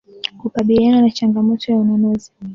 kukabiliana na changamoto ya ununuzi